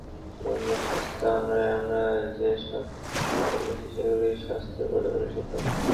জীবন্ত শাস্ত্র আমরাই, আমরা যে-সব কথা বলেছি, সেগুলিই শাস্ত্র বলে পরিচিত।